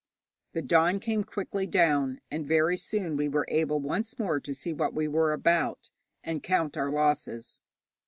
The dawn came quickly down, and very soon we were able once more to see what we were about, and count our losses.